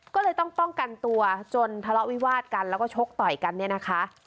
ก็เลยต้องป้องกันตัวจนทะเลาะวิวาดกันแล้วก็ชกต่อยกันเนี่ยนะคะ